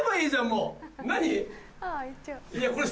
もう何？